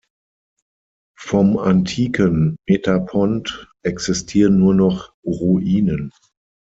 Vom antiken Metapont existieren nur noch Ruinen.